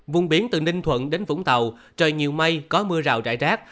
vùng biển từ ninh thuận đến vũng tàu trời nhiều mây có mưa rào rải rác